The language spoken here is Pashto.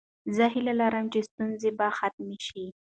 زه هیله لرم چې ستونزې به ختمې شي.